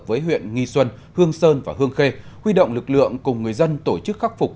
với huyện nghi xuân hương sơn và hương khê huy động lực lượng cùng người dân tổ chức khắc phục